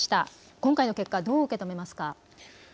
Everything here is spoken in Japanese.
今回の結果、どう受け止めますか。